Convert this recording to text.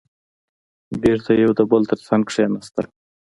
بېرته يو د بل تر څنګ کېناستل.